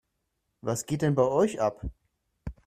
Was geht denn bei euch ab?